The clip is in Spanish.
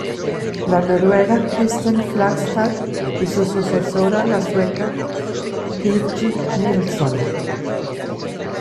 La noruega Kirsten Flagstad y su sucesora, la sueca Birgit Nilsson.